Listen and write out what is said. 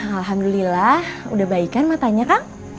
alhamdulillah udah baikan matanya kang